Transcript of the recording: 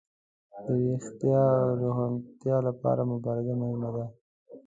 د ویښتیا او روښانتیا لپاره مبارزه مهمه وه.